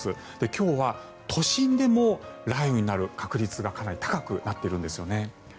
今日は都心でも雷雨になる確率がかなり高くなっているんですよね。